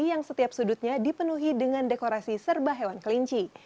yang setiap sudutnya dipenuhi dengan dekorasi serba hewan kelinci